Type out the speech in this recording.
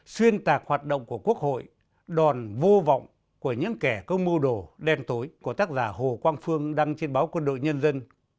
xuyên tạc hoạt động của quốc hội đòn vô vọng của những kẻ có mưu đồ đen tối của tác giả hồ quang phương đăng trên báo quân đội nhân dân